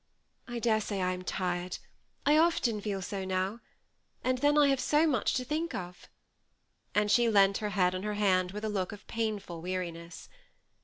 I dare say I am tired, I often feel so now ; and then I have so much to think of ;" and she leaned her head on her hand, with a look of painful weariness.